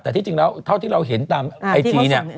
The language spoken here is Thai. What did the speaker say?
แต่ที่จริงแล้วเท่าที่เราเห็นตามไอจีเนี่ย